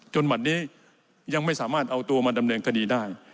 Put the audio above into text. หมัดนี้ยังไม่สามารถเอาตัวมาดำเนินคดีได้